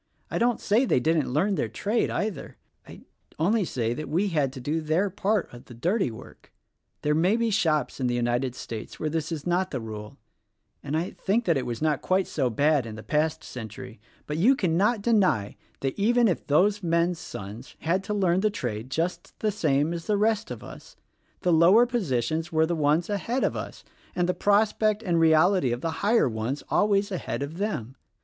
I don't say they didn't learn their trade, either. I only say we had to do their part of the dirty work. There may be shops in the United States where this is not the rule; and I think that it was not quite so bad in the past century; but you cannot deny that even if those men's sons had to learn the trade just the same as the rest of us the lower positions were the ones ahead of us and the prospect and reality of the higher ones always ahead of them.